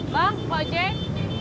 bang tukang ojek